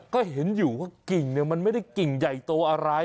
ก็เห็นอยู่ว่ากิ่งมันไม่ได้กิ่งใหญ่โตอะไร